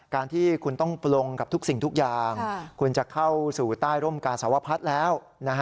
การที่คุณต้องปลงกับทุกสิ่งทุกอย่างคุณจะเข้าสู่ใต้ร่มกาสวพัฒน์แล้ว